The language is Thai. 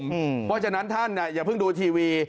เพราะฉะนั้นท่านอย่าเพิ่งดูทีวี